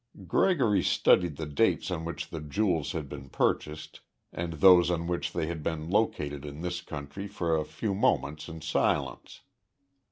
Gregory studied the dates on which the jewels had been purchased and those on which they had been located in this country for a few moments in silence.